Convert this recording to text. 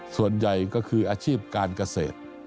ส่วนใหญ่ก็คืออาชีพการเกษตร